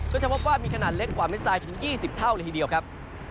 จะพบว่ามีขนาดเล็กกว่าเม็ดทรายถึง๒๐เท่าเลยทีเดียวครับ